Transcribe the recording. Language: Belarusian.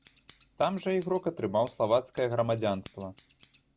Там жа ігрок атрымаў славацкае грамадзянства.